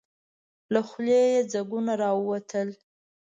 له خولې يې ځګونه راووتل.